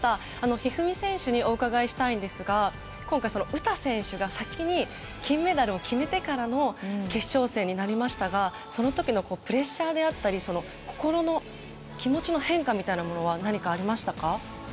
一二三選手にお伺いしたいんですが今回、詩選手が先に金メダルを決めてからの決勝戦になりましたがその時のプレッシャーであったり心の気持ちの変化みたいなものは何か、ありましたか？